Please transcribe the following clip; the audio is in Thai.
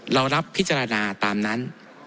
เรารับพิจารณาตามนั้น